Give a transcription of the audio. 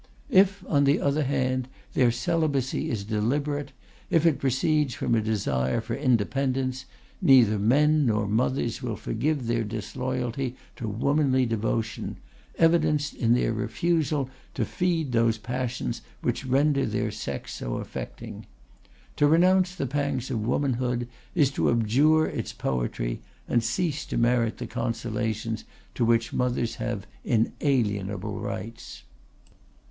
If, on the other hand, their celibacy is deliberate, if it proceeds from a desire for independence, neither men nor mothers will forgive their disloyalty to womanly devotion, evidenced in their refusal to feed those passions which render their sex so affecting. To renounce the pangs of womanhood is to abjure its poetry and cease to merit the consolations to which mothers have inalienable rights.